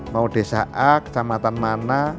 mau desa a kecamatan mana